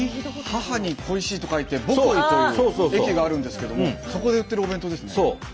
「母」に「恋しい」と書いて「母恋」という駅があるんですけどもそこで売ってるお弁当ですね。